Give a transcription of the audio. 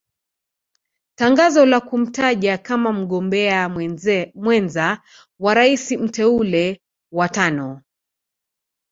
Tangazo la kumtaja kama mgombea mwenza wa rais mteule wa tano